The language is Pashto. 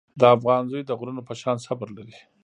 د افغان زوی د غرونو په شان صبر لري.